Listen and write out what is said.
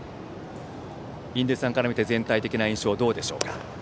印出さんから見て全体的な印象はどうでしょうか。